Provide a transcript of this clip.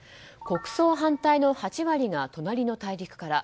国葬反対の８割が隣の大陸から。